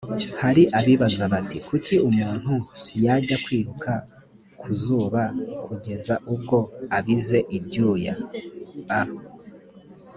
hari abibaza bati “kuki umuntu yajya kwiruka ku zuba kugeza ubwo abize ibyuya?”a